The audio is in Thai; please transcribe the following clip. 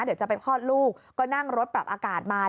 เดี๋ยวจะไปคลอดลูกก็นั่งรถปรับอากาศมา